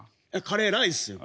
カレーライスよ。